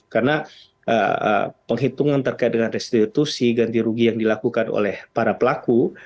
karena penghitungan terkait dengan restitusi ganti rugi yang dilakukan oleh para pelaku